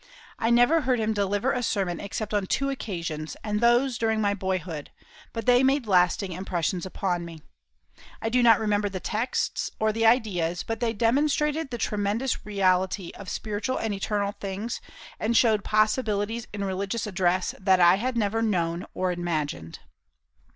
I never heard him deliver a sermon except on two occasions, and those during my boyhood; but they made lasting impressions upon me. I do not remember the texts or the ideas, but they demonstrated the tremendous reality of spiritual and eternal things, and showed possibilities in religious address that I had never known or imagined.